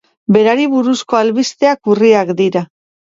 Berari buruzko albisteak urriak dira.